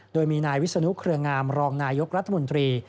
โดยมีนายวิศนุเครืองามรองนายกรัฐมนตรี